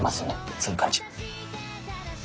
そういう感じ。